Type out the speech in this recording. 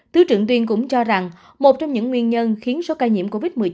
thứ trưởng tuyên cũng cho rằng một trong những nguyên nhân khiến số ca nhiễm covid một mươi chín